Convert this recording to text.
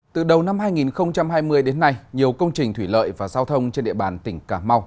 từ đầu năm hai nghìn hai mươi đến nay nhiều công trình thủy lợi và giao thông trên địa bàn tỉnh cà mau